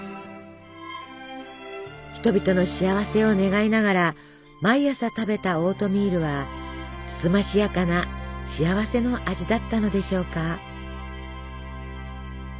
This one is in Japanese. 人々の幸せを願いながら毎朝食べたオートミールはつつましやかな幸せの味だったのでしょうか。